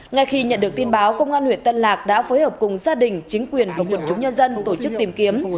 ngay khi nhận được tin báo công an huyện tân lạc đã phối hợp cùng gia đình chính quyền và quận chúng nhân dân tổ chức tìm kiếm